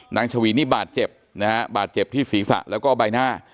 ชวีนี่บาดเจ็บนะฮะบาดเจ็บที่ศีรษะแล้วก็ใบหน้า